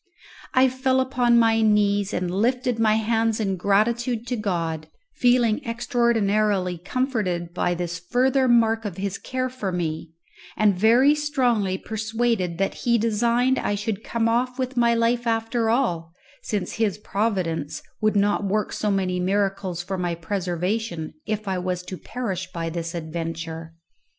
I fell upon my knees and lifted up my hands in gratitude to God, feeling extraordinarily comforted by this further mark of His care of me, and very strongly persuaded that He designed I should come off with my life after all, since His providence would not work so many miracles for my preservation if I was to perish by this adventure.